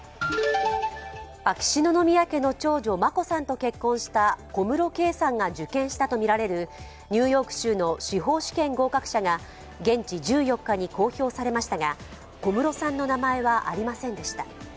秋篠宮家の長女、眞子さんと結婚した受験したとみられるニューヨーク州の司法試験合格者が現地１４日に公表されましたが、小室さんの名前はありませんでした。